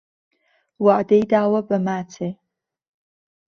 وهعدی داوه به ماچێ